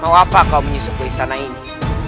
mau apa kau menyusup ke istana ini